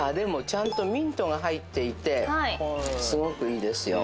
ちゃんとミントが入っていてすごくいいですよ